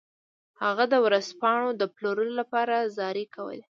هغه د ورځپاڼو د پلورلو لپاره زارۍ کولې.